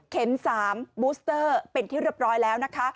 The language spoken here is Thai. ๓บูสเตอร์เป็นที่เรียบร้อยแล้วนะคะ